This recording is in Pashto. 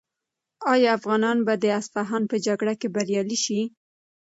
آیا افغانان به د اصفهان په جګړه کې بریالي شي؟